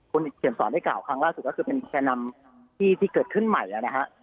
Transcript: คุณเขียนสอนได้กล่าวครั้งล่าสุดก็คือเป็นแก่นำที่เกิดขึ้นใหม่นะฮะ